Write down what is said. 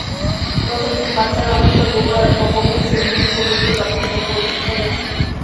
প্রথম দিন বাচ্চারা অবশ্য দুবার অগভীর সুইমিং পুলে গিয়ে দাপাদাপি করেছে।